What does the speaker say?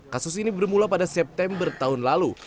kasus ini bermula pada september tahun lalu